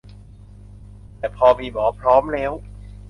แต่พอมีหมอพร้อมแล้ว